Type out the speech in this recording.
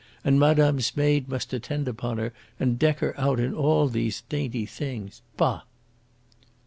And madame's maid must attend upon her and deck her out in all these dainty things. Bah!"